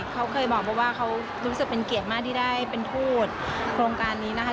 เขาเคยบอกว่าเขารู้สึกเป็นเกียรติมากที่ได้เป็นทูตโครงการนี้นะคะ